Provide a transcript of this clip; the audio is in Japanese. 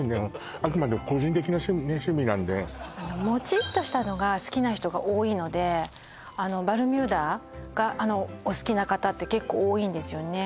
あくまでも個人的な趣味なんでモチッとしたのが好きな人が多いのであのバルミューダがお好きな方って結構多いんですよね